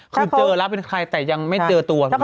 ก็เจอแล้วนี่ใช่ไหมล่ะ